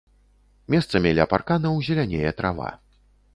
Месцамі ля парканаў зелянее трава.